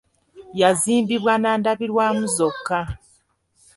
Yazimbibwa na ndabirwamu zokka.